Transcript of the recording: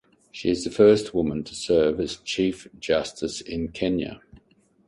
She is the first woman to serve as Chief Justice in Kenya.